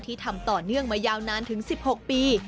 ทำต่อเนื่องมายาวนานถึง๑๖ปี